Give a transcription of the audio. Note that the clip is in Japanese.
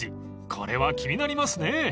これは気になりますね］